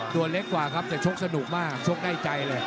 ตัวเล็กกว่าครับแต่ชกสนุกมากชกได้ใจเลย